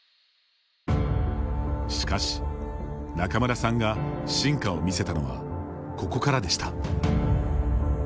しかし、仲邑さんが真価を見せたのはここからでした。